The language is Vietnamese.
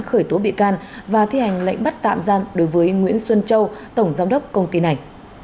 khởi tố bị can và thi hành lệnh bắt tạm giam đối với nguyễn xuân châu tổng giám đốc công ty này